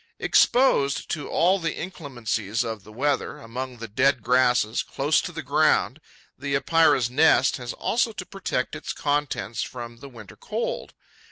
Exposed to all the inclemencies of the weather, among the dead grasses, close to the ground, the Epeira's nest has also to protect its contents from the winter cold.